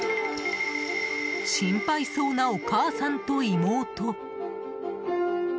心配そうなお母さんと妹。